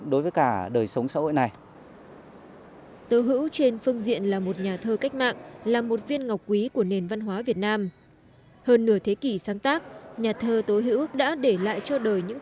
đối với cả đời sống sống của đảng